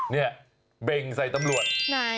เนี่ยเบ่งใส่ตำรวจไหน